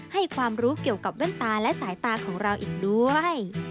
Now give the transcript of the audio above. ให้ความรู้เกี่ยวกับแว่นตาและสายตาของเราอีกด้วย